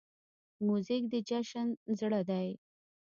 موزیک د جشن زړه دی.